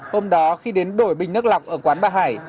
hôm đó khi đến đổi bình nước lọc ở quán bà hải